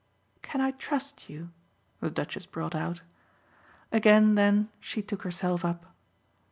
"Can I trust you?" the Duchess brought out. Again then she took herself up.